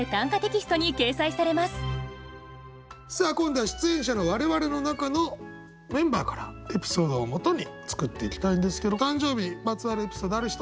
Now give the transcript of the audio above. さあ今度は出演者の我々の中のメンバーからエピソードをもとに作っていきたいんですけど誕生日まつわるエピソードある人。